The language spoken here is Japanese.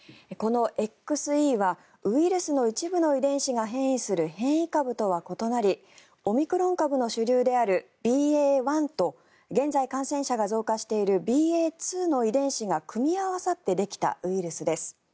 このＸＥはウイルスの一部の遺伝子が変異する変異株とは異なりオミクロン株の主流であるＢＡ．１と現在感染者が増加しているＢＡ．２の遺伝子が組み合わさってできたウイルスです。